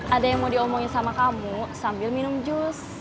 ada yang mau diomongin sama kamu sambil minum jus